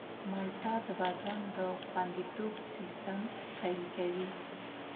مالټه د بدن د خوندیتوب سیستم قوي کوي.